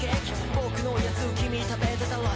「僕のやつ君食べてたろ」